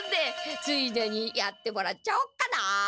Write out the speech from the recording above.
ついでにやってもらっちゃおっかな。